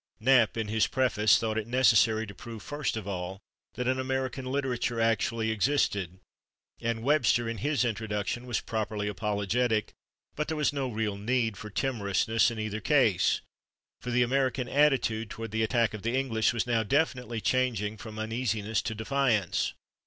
Knapp, in his preface, thought it necessary to prove, first of all, that an American literature actually existed, and Webster, in his introduction, was properly apologetic, but there was no real need for timorousness in either case, for the American attitude toward the attack of the English was now definitely changing from uneasiness to defiance.